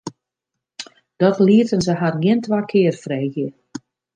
Dat lieten se har gjin twa kear freegje.